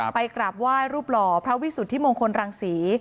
กราบไหว้รูปหล่อพระวิสุทธิมงคลรังศรี